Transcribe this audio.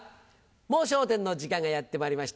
『もう笑点』の時間がやってまいりました。